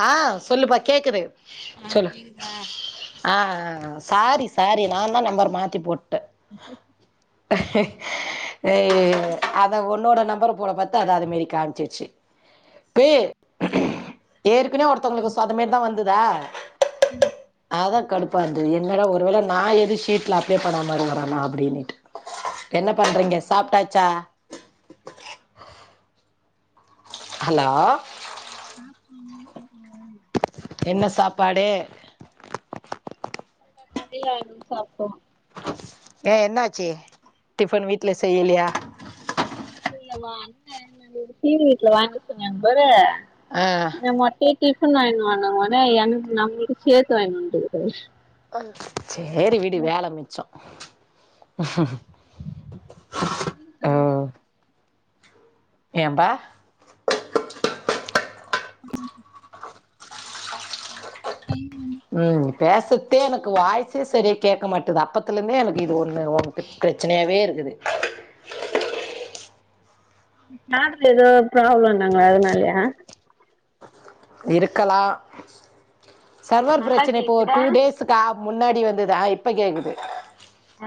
ஆ சொல்லுப்பா கேக்குது ஆ சொல்லு கேக்குதா ஆ சாரி சாரி நாதா நம்பர மாத்தி போட்டே அத்தா உன்னோட நம்பர போல பத் இப்ப அத்தா அதுமரி காம்ச்சிருச்சு பே ஏர்க்கனே ஒருத்தவுங்களுக்கு சொ அதமாரிதா வந்ததா ம் அத்தா கடுப்பா இருந்தது என்னட ஒரு வேள நா எது ஷீட்ல அப்டேட் பண்ணாம இருக்குறனா அப்டினுட்டு என்ன பண்றீங்க சாப்ட்டாச்சா ஹலோ நாங்க இன்னு சாப்பல்ல என்ன சாப்பாடு நா கடைல வாங்கி சாப்டோ ஏ என்னாச்சு டிஃபன் வீட்ல செய்யலையா [inaudible] கீழ் வீட்ல வாங்க சொன்னாங்க பாரு ஆ மொட்டைய டிஃபன் வாய்ங்னு வாங்கனோனே எனக்கு நம்ளுக்கு சேத்து வாங்கிட்டு வந்துட்ருக்காரு சேரி விடு வேல மிச்சோ அவிங்டாங்க எபா ம் ம் பேசத்தே எனக்கு வாய்ஸே செரிய கேக்க மாட்டிது அப்பத்தருந்தே எனக்கு இது ஒன்னு ஒண்ட ப்ரச்சனையாவே இருக்குது கார்டுல எதோ ப்ராப்ளம்னாங்களே அதுனாலயா இருக்கலா சர்வர் நல்லா ப்ரச்சன இப்போ கேக்குதா டூ டேஸ் சுத்தா முன்னாடி வந்ததா இப்ப கேக்குது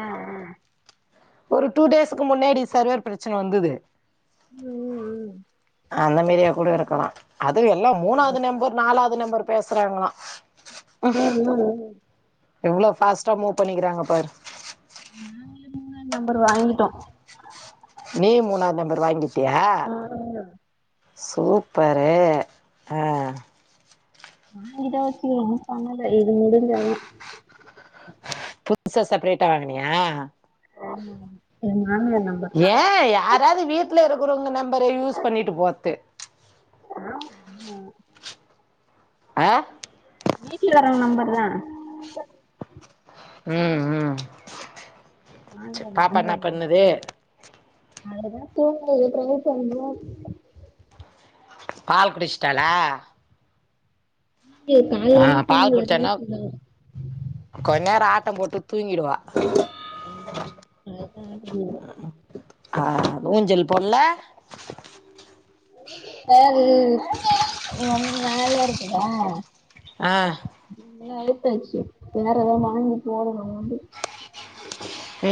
ம் ம் ஒரு டூ டேஸ்க்கு முன்னாடி சர்வர் ப்ரச்சன வந்தது ம் ம் அந்த மாரியா கூட இருக்கலா அதுவு எல்லா மூணாவது நம்பர் நாலாவ்து நம்பர் பேசுறாங்களா ம் ம் எவ்ளோ ஃபாஸ்ட்டா மூவ் பண்ணிக்கறாங்க பாரு நாங்களே மூணா நம்பர் வாங்கிட்டோ நீயு மூணாவ்து நம்பர் வாங்கிட்டியா சூப்பரு ஆ நா இத வச்சுக்குனு ஒண்ணு பண்ணல இது முடிஞ்சாதா புதுசா செபரேட்டா வாங்கினியா நான்வே நா ஏ யாராது வீட்டுல இருக்கறவங்க நம்பர யூஸ் பண்ணிட்டு பொறது ஆ ஆமா ஆ வீட்டுல வரவங்க நம்பர் தா ம ம் சேரி மாமியார் பாப்பா என்ன மாமியார் நம்பர் பண்ணுது அதுதா தூங்குது எழுப்பிறேன்னு சோன்னோல்ல பால் குடிச்சிட்டாலா ஆ காலேலருந்து பால் தூங்கல எதுவுமே குடிச்சான்னா செய்யல கொஞ்ச நேரோ ஆட்டம் போட்டு தூங்கிடுவா அதுதா ஆ ஊஞ்சல் பொடல வேது ம் மேல இருக்குதா ஆ அவுத்தாச்சுவேற தா வாங்கி போடணு வந்து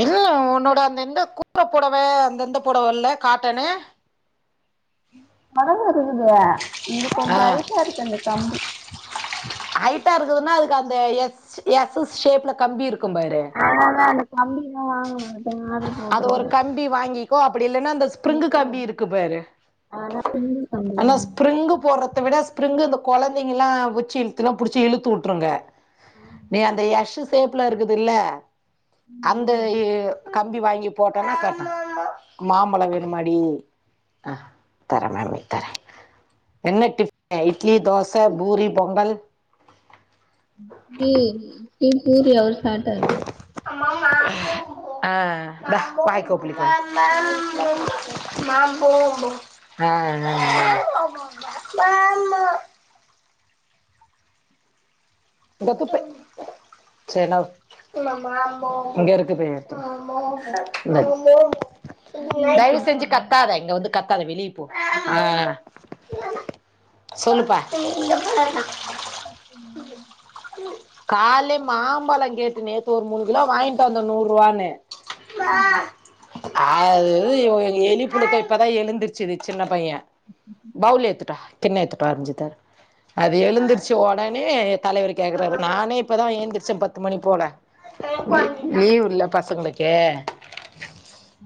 இல்ல உன்னோட அந்த இந்த கூற பொடவ அந்த இந்த பொடவ இல்ல காட்டனு அதெல்லா இருக்குது அது ஆ கொஞ்சோ ஹைட்டா இருக்கு இந்த கம்பி ஹைட்டா இருக்குதுன்னா அதுக்கு அந்த எஸ் எஸ்ஸ் ஷேப்ல கம்பி இருக்கும் பாரு அதனாதா அந்த கம்பி இன்ன வாங்க மாட்ட ஆர்டர் போடிருக்கே ம்பி வாங்கிக்கோ அப்படி இல்லைன்னா அந்த ஸ்பிரிங்கு கம்பி இருக்கு பாரு ஆனா ஆனா ஸ்பிரிங்கு போறத்த விட ஸ்பிரிங்கு இந்த கொழந்தைகளா வெச்சு இழுத்துனு படிச்சி இழுத்து விட்டுருங்க வாங்கனு நீ அந்த எஷ் சேப்ல இருக்குதுல்ல அந்த கம்பி ஏ வாங்கி போட்டோனா கட்ட மாம்பழம் வேனுமாடி அ தரே தரே என்ன டிஃபன்னு இட்லி தோச பூரி பொங்கல் தி ஏ பூரி அவரு சாட்டாரு ஆ இந்த வாய் கோப்பளிக்கோ நா இட்லி சாப்ட்டே ஆ ஆ ஆ சேரி நா இங்க இருக்கு இத நீ என்ன எடு இந்த ஆ சொல்லுப்பா [inaudible] கால்லயே மாம்பழ கேட்டு நேத்து ஒரு மூணு கிலோ வாங்கிட்டு வந்தோ நூரூவான்னு மா அது இவ எலி புழுக்க இப்பதா எழுந்தருச்சுது சின்ன பைய்ய அது எழுந்திருச்சு ஒடனே தலைவர் கேக்குறாரு நானே இப்பதா எந்திரிச்ச பத்து மணி போல லீவு இல்ல பசங்களுக்கு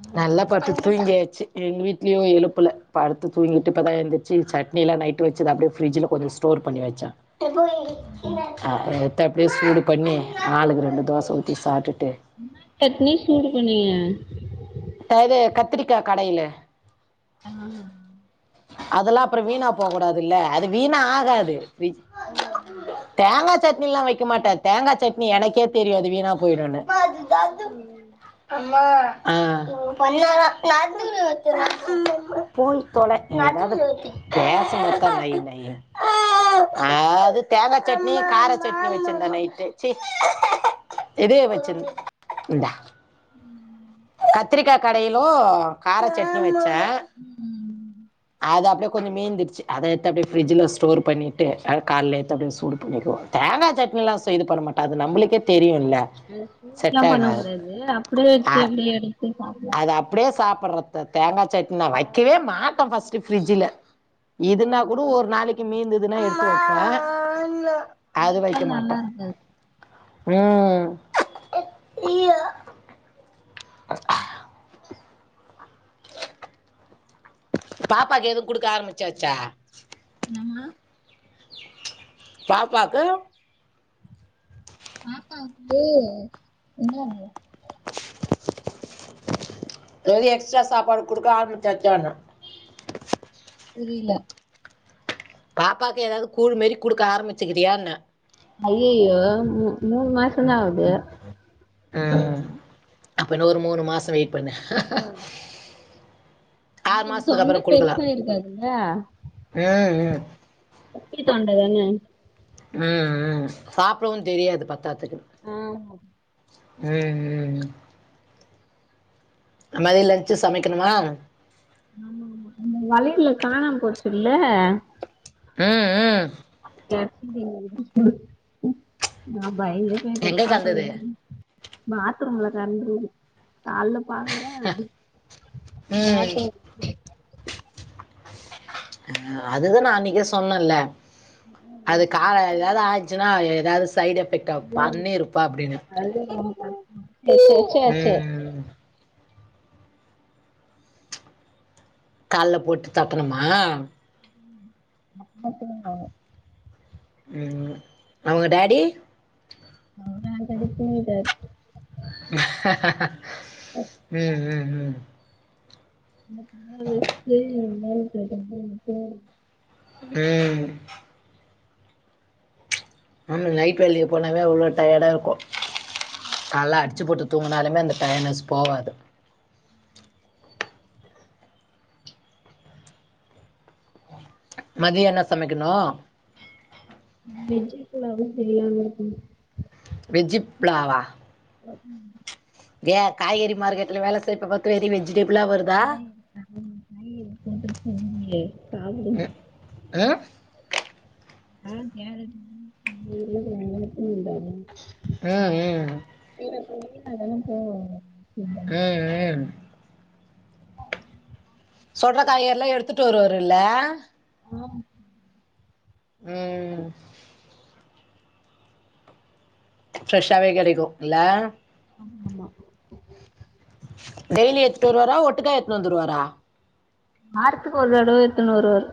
ஆமா நல்லா படுத்து தூங்கியாச்சு எங்கள் வீட்லயு எழுப்புல படுத்து தூங்கிட்டு இப்பதா எந்திரிச்சு சட்னி எல்லா நைட்டு வச்சது அப்படியே ஃப்ரிஜல கொஞ்சோ ஸ்டோர் பண்ணி வச்ச அப்புறம் எத்த அப்படியே சூடு பண்ணி ஆளுக்கு ரெண்டு தோசை ஊத்தி சாப்ட்டுட்டு என்னா சட்னி சூடு பண்ணியா அது கத்திரிக்கா கடையிலு ஆ அதெல்லா அப்புறம் வீணா போக கூடாது இல்ல அது வீண ஆகாது தேங்காய் சட்னி எல்லாம் வைக்க மாட்டா தேங்கா சட்னி எனக்கே தெரியும் அது வீணா போயிடும்னு அம்மா உங்க பையன் [unintelligible] போட்டுதொல [unintelligible] அ அது தேங்கா சட்னி கார சட்னி வச்சிருந்தே நைட்டு ச்சி ரெடியா வச்சுரு உம் ம் கத்திரிக்காய் கடையலு கார சட்னியோ வெச்சே அது அப்டியே கொஞ்சோ மிந்தடுச்சு அத எத்து அப்டியே ஃப்ரிஜூல ஸ்டோர் பண்ணிட்டு அத கால்ல எடுத்து அப்டியே சூடு க்குவோ தேங்காய் சட்னில செய்து பண்ண மாட்டோ அது நம்பளுக்கே தெரியுல்ல அது சூடுல்லா பண்ண கூடாது அப்டியே வெச்சு அ- எப்டியே எடுத்து சாப்ப அது அப்டியே சாப்டுறது தா தேங்காய் சட்டினி நா வைக்கவே மாட்டே ஃபர்ஸ்ட்டு ஃபரிட்ஜூல இதுன்னா கூட ஒரு நாளைக்கு மீந்ததுன்னா எடுத்து வைப்பே அது வைக்க வறுத்தால் நல்லா மாட்டேன் இருக்காது உம் அ ஹா பாப்பாக்கு எதுவும் குடுக்க ஆரம்பிச்சாச்சா நம்ம பாப்பாக்கு பாப்பாக்கு என்னது அதாவது எக்ஸ்ட்ரா சாப்பாடு குடுக்க ஆரம்பிச்சாச்சா புரியல பாப்பாவுக்கு ஏதாவது கூழ் மாரி குடுக்க ஆரம்பிச்சிக்கிறியாண்ண அய்யயோ மூணு மாசந்தா ஆகுது உம் அப்ப இன்னும் ஒரு மூணு மாசம் வெயிட் பண்ணு ஆறு அ மாசத்துக்கு தொண்டை அப்புறம் பெருசா குடுக்கலாம் இருக்காதுல்ல ம் ம் பி தாண்டதான உம் உம் சாப்டன்னனு தெரியாது பத்தாதுக்கு ஆமா உம் உம் மதியம் லஞ்ச் சமைக்கணுமா ஆமா அந்த வளையல் காணாம போச்சுல உம் [unintelligible] நா பயந்தே போயிட்டேன் எங்க கந்தது பாக்கவேல்லை னு பாத்ரூம்ல திறந்து காலையில பாக்கல என்ன ஏய் அ அதுதான் நான் அன்னைக்கே சொன்னேன்ல அது கால ஏதாவது ஆயிச்சுன்னா ஏதாவது சைடு் எஃபெக்ட் ஆகும் பன்னிரு அப்படின்னு [unintelligible] ஏய் கால்ல போட்டு தட்டனுமா [inaudible] ம் அவுங்க டாடி அவர் அல்ரெடி தூங்கிட்டாரு ம் ம் ம் [inaudible] ம் ஆமா நைட் வேலைக்கு போனாவே அவ்ளோ டயர்டா இருக்கு நல்லா அடிச்சு போட்டு தூங்குனாலுமே அந்த டயர்ட்னஸ் போகாது மதிய என்ன சமைக்கணு வெஜ்சு புலாவ்வு செய்யலான்னு இருக்கே வெஜ்சுப்லாவா ம் ஏ காய்கறி மார்க்கெட்ல வேல செய்யப்ப பாத்து வெறி வெஜிடபிளா வருதா [inaudible] மாரி இருக்குண்டு சொன்னிங்களே சாப்புடு அ ஆ உருளக்கெழங்க எடுத்துன்னு வந்தாரு ஆ ஆ [inaudible] அதெல்லா போவாங்க ஆ ஆ சொல்ற காயல்லா எடுத்துட்டு வருவரு இல்ல ஆம் ம் பிரஷ்ஷாவே கிடைக்கு இல்ல ஆமா டெய்லி எடுத்துட்டு வருவாரா ஒட்டுக்கா எடுத்துனு வந்துருவாரா வாரத்துக்கு ஒரு தடவ எடுத்துட்டு வருவாரு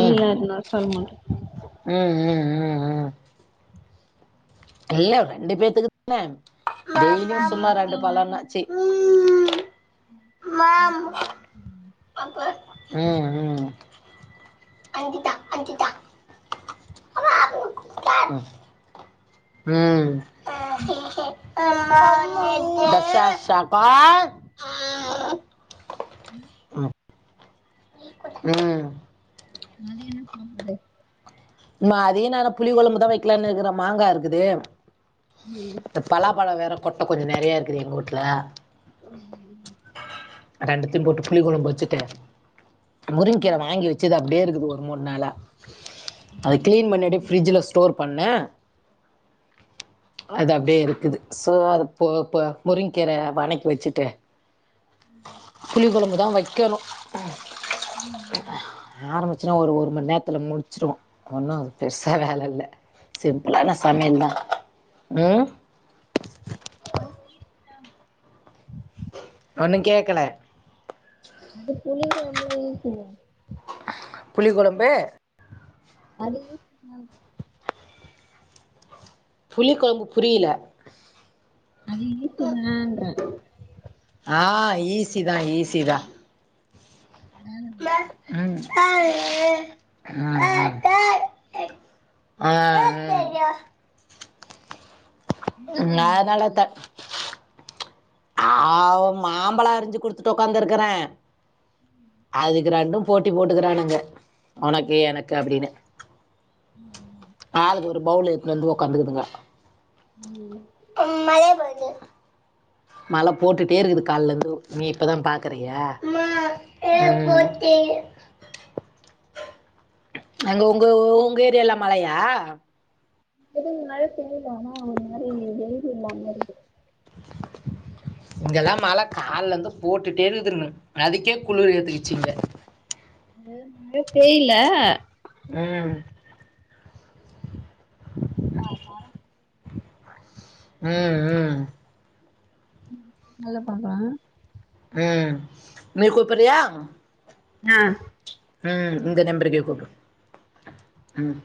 ம் எடுத்துனு வர சொல்ல மாட்டே ம் ம் ம் அ இல்ல ரெண்டு பேத்துக்கு தானே டெய்லியுமே மாட்டே சும்மா ரெண்டு அதுக்குதா வாரந்தோறு பழம்னாச்சு ம் மாம் ம் ம் ம் ம் ம் ம் மதிய என்ன சாப்பாடு மதிய நேரோ புளி குழம்பு தா வைக்கலான்னு இருக்கிற மாங்கா இருக்குது மாங்கா இந்த பலாப்பழம் வேற கொட்ட கொஞ்ச நெறைய இருக்குது எங்க வூட்ல ம் ரெண்டத்தியும் போட்டு புளி கொளம்பு வச்சுட்டு முருங்கக்கீர வாங்கி வச்சுது அப்டியே இருக்குது ஒரு மூண் நாளா அத கிளீன் பண்ணிட்டு ஃபிரிட்ஜூல ஸ்டோர் பண்ணே அது அப்டியே இருக்குது சோ அத போ இப்போ முருங்கக்கீர வனைக்கு வச்சுட்டு புளி குழம்புதா வைக்கணு ஆரம்பி ச்சுனா ஒரு ஒரு மண் நேரத்துல முடிச்சிடுவோ ஒன்னு பெருசா வேல இல்ல சிம்பிளான சமையல் தா ம் [inaudible] ஒண்ணு கேக்கல அது புளி கொழம்புல இருக்குல்ல புளி கொழம்பு அது [inaudible] புளி குழம்பு புரில அது இனிப்புகான்ற ஆ இ ம் அ ம் ம் ம்ம் அ என்ன நா வேணு அதனால உனக்கு த அ மாம்பழ அரிஞ்சு குடுத்துட்டு உக்காந்துருக்கற அதுக்கு ரெண்டு போட்டி போட்டுக்கறானுங்க உனக்கு எனக்கு அப்டின்னு ஆளுக்கு ஒரு பவுல் எத்துனு வந்து உக்காந்துக்குதுங்க ம் ம் மறைய போது மழை போட்டுட்டே இருக்குது கால்லந்து நீ இப்பதா பாக்குறியா ம் அங்க உங்கோ உங்க ஏரியல்லா மழையா எதுவு முன்னாடியே செஞ்சிருந்தானா ஒரு மாரி தெளிவு இல்லாம இருக்கு [inaudible] இங்கெல்லா மழ கால்ல இருந்து போட்டுட்டே இருதுன்னு அதுக்கே குளிர் எத்துக்குச்சு இங்க இங்க எதும் மழ பெய்ல ம் [unintelligible] மரோ ம் ம் ம் நல்ல [unintelligible] ம் நீ கூப்பறியா அ ம் இந்த நெம்பருக்கே கூப்டு ம்